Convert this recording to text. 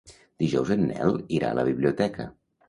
Dijous en Nel irà a la biblioteca.